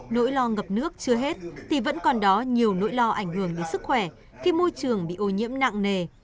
nỗi lo ngập nước chưa hết thì vẫn còn đó nhiều nỗi lo ảnh hưởng đến sức khỏe khi môi trường bị ô nhiễm nặng nề